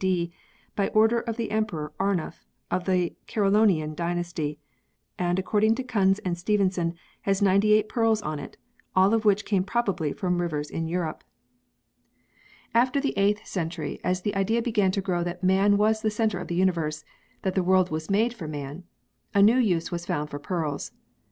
D. by order of the Emperor Arnulf of the Carolingian dynasty, and according to Kunz and Stevenson has 98 pearls on it, all of which came probably from rivers in Europe. i] THE HISTORY OF PEARLS 7 After the 8th century, as the idea began to grow that man was the centre of the universe, that the world was made for man, a new use was found for pearls.